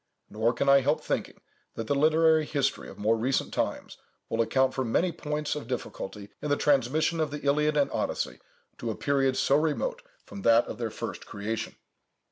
Nor can I help thinking, that the literary history of more recent times will account for many points of difficulty in the transmission of the Iliad and Odyssey to a period so remote from that of their first creation.